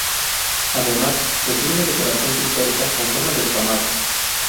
Además, recibe una decoración pictórica con forma de escamado.